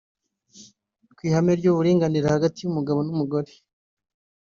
ku ihame ry’uburinganire hagati y’umugabo n’umugore